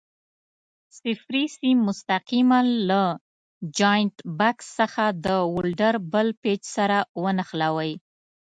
صفري سیم مستقیماً له جاینټ بکس څخه د ولډر بل پېچ سره ونښلوئ.